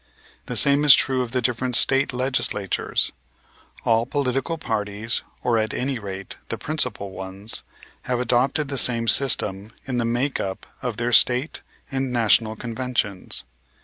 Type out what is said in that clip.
The same is true of the different State Legislatures. All political parties, or, at any rate, the principal ones, have adopted the same system in the make up of their State and National Conventions.